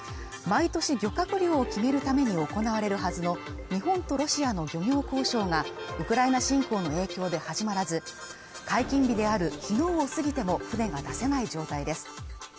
毎年漁獲量を決めるために行われるはずの日本とロシアの漁業交渉がウクライナ侵攻の影響で始まらず解禁日である昨日を過ぎても船が出せない状態です